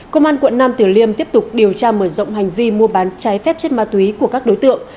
công an quận nam tử liêm tiếp tục điều tra mở rộng hành vi mua bán trái phép chất ma túy của các đối tượng